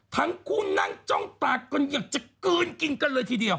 ทั้งคู่นั่งจ้องตากันอยากจะกลืนกินกันเลยทีเดียว